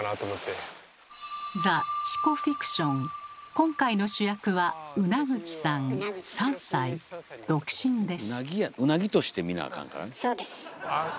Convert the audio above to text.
今回の主役はウナグチさん３歳独身です。